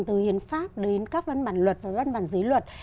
từ hiến pháp đến các văn bản luật và văn bản giới luật